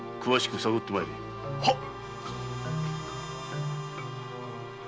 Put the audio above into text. はっ。